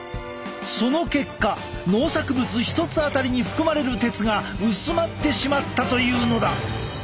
その結果農作物一つあたりに含まれる鉄が薄まってしまったというのだ。